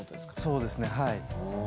そうですねはい。